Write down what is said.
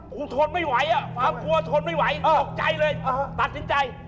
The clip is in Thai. ทนไม่ไหวความกลัวทนไม่ไหวตกใจเลยตัดสินใจ